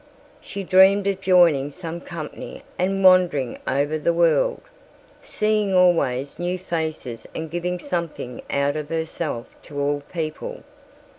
She dreamed of joining some company and wandering over the world, seeing always new faces and giving something out of herself to all people.